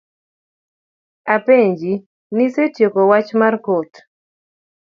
Apenji, nisetieko wach mar kot?